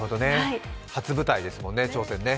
初舞台ですもんね、挑戦ね。